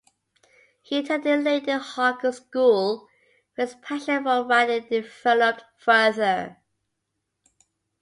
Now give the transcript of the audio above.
He attended Lady Hawkins' School, where his passion for riding developed further.